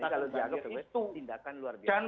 tapi kalau dianggap itu tindakan luar biasa